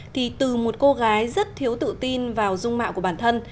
thì từ một cô gái rất thiếu tự tin vào dung mạo của bản thân